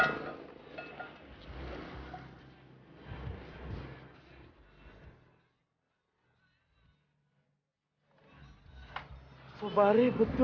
pak sobari betul ya